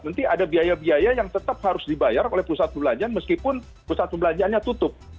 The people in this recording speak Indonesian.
nanti ada biaya biaya yang tetap harus dibayar oleh pusat perbelanjaan meskipun pusat perbelanjaannya tutup